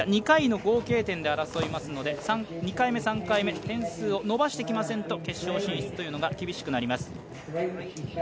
２回の合計点で争いますので２回目、３回目、点数を伸ばしてきませんと決勝進出が厳しくなります。